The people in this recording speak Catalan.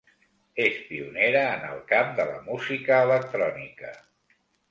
És pionera en el camp de la música electrònica.